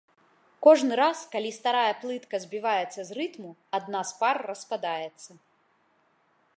Кожны раз, калі старая плытка збіваецца з рытму, адна з пар распадаецца.